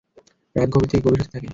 রাত গভীর থেকে গভীর হতে থাকে।